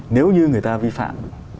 nếu như người ta vi phạm